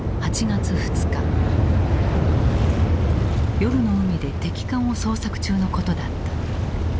夜の海で敵艦を捜索中のことだった。